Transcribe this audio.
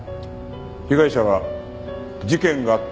被害者は事件があった